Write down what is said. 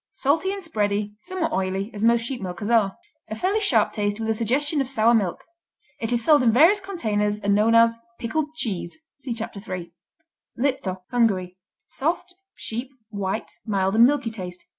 Salty and spready, somewhat oily, as most sheep milkers are. A fairly sharp taste with a suggestion of sour milk. It is sold in various containers and known as "pickled cheese." (See Chapter 3.) Lipto Hungary Soft; sheep; white; mild and milky taste.